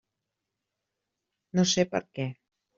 No sé per què.